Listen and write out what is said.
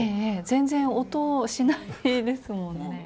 全然音しないですもんね。